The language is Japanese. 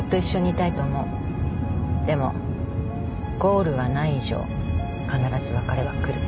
でもゴールはない以上必ず別れはくる。